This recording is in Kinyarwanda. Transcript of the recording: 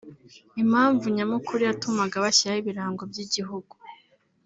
Impamvu nyamukuru yatumaga bashyiraho ibirango by’igihugu